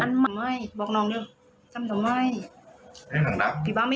อันนี้เอาให้หนังนับให้หนังนับ